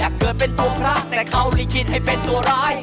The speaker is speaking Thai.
อยากเกิดเป็นตัวพระแต่เขาเลยคิดให้เป็นตัวร้าย